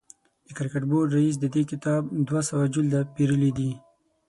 د کرکټ بورډ رئیس د دې کتاب دوه سوه جلده پېرلي دي.